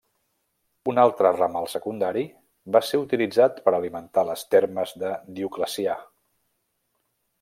Un altre ramal secundari va ser utilitzat per alimentar les Termes de Dioclecià.